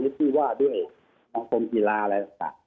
อย่างที่ว่าด้วยของกีฬาอะไรต่าง